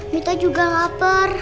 mita juga lapar